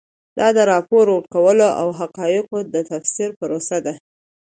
دا د راپور ورکولو او حقایقو د تفسیر پروسه ده.